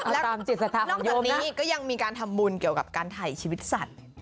แล้วตามจิตนอกจากนี้ก็ยังมีการทำบุญเกี่ยวกับการถ่ายชีวิตสัตว์